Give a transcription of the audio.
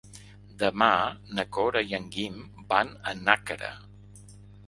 Demà na Cora i en Guim van a Nàquera.